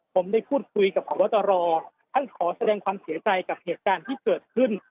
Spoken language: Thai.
ผมได้พูดคุยกับพบตรท่านขอแสดงความเสียใจกับเหตุการณ์ที่เกิดขึ้น